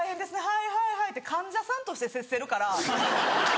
はいはいはい」って患者さんとして接せるから。